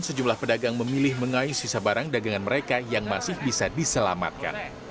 sejumlah pedagang memilih mengayuh sisa barang dagangan mereka yang masih bisa diselamatkan